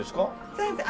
そうです。